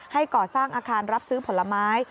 ก่อสร้างอาคารรับซื้อผลไม้